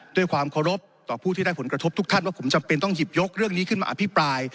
ด้วยความเคารพต่อผู้ที่ได้ผลกระทบทุกท่านว่าผมจำเป็นต้องหยิบยกเรื่องนี้ขึ้นมาอภิปราย